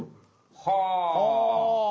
はあ！